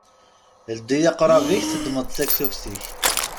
Ldi aqṛab-ik, teddmeḍ-d taktubt-ik!